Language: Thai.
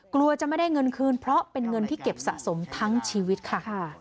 กลัวจะไม่ได้เงินคืนเพราะเป็นเงินที่เก็บสะสมทั้งชีวิตค่ะ